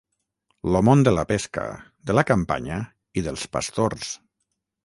lo món de la pesca, de la campanya i dels pastors